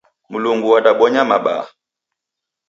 Mlungu wadabonya mabaa.